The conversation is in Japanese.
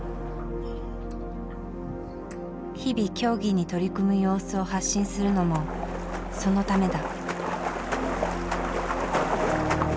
日々競技に取り組む様子を発信するのもそのためだ。